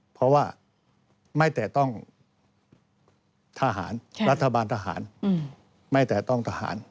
เพราะว่าไม่แต่ต้องทหารรัฐบาลทหาร